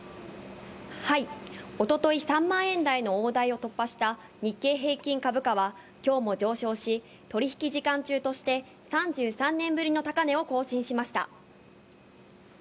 おととい、３万円台の大台を突破した日経平均株価は、きょうも上昇し、取り引き時間中として３３年ぶりの高値を更新しました。